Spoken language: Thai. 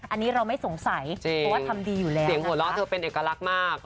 อันนี้เราไม่สงสัยเพราะว่าทำดีอยู่แล้วเสียงหัวเราะเธอเป็นเอกลักษณ์มาก